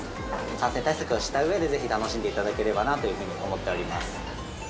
感染対策をしたうえで、ぜひ楽しんでいただければなと思っております。